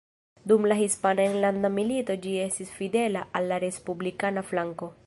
Dum la Hispana Enlanda Milito ĝi estis fidela al la respublikana flanko.